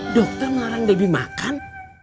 dokter melarang debbie makan